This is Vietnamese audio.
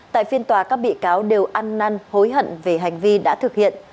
tại phiên tòa các bị cáo đều ăn năn hối hận về hành vi đã thực hiện